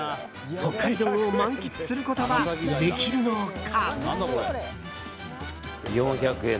北海道を満喫することはできるのか？